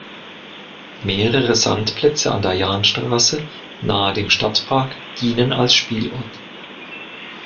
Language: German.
Mehrere Sandplätze an der Jahnstraße nahe dem Stadtpark dienen als Spielort.